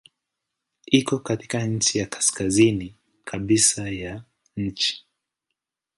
Iko katika kaskazini kabisa ya nchi.